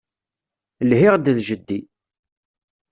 Lhiɣ-d d jeddi.